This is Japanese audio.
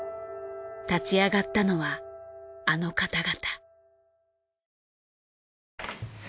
立ち上がったのはあの方々。